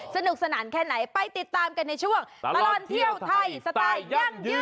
สนุกสนานแค่ไหนไปติดตามกันในช่วงตลอดเที่ยวไทยสไตล์ยั่งยืน